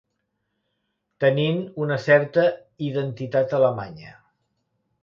Tenint una certa identitat alemanya.